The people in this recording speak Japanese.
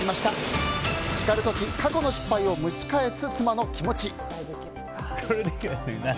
叱る時、過去の失敗を蒸し返す妻の気持ち。